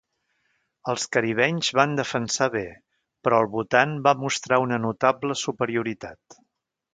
Els caribenys van defensar bé, però el Bhutan va mostrar una notable superioritat.